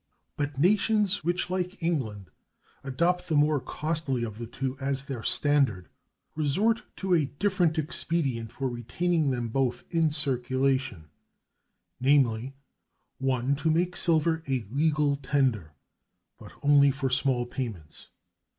But nations which, like England, adopt the more costly of the two as their standard, resort to a different expedient for retaining them both in circulation, namely (1), to make silver a legal tender, but only for small payments.